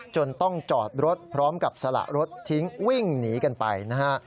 จนต้องจอดรถพร้อมกับสละรถทิ้งวิ่งหนีกันไปนะฮะ